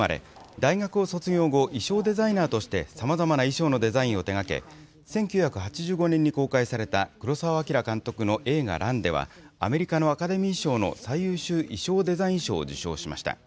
大学を卒業後、衣装デザイナーとして、さまざまな衣装のデザインを手がけ、１９８５年に公開された黒澤明監督の映画、乱では、アメリカのアカデミー賞の最優秀衣装デザイン賞を受賞しました。